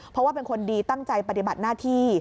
เพราะว่าเป็นคนดีตั้งใจปฏิบัติหน้าที่